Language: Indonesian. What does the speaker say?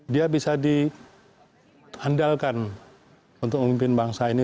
dia bisa diandalkan untuk memimpin bangsa ini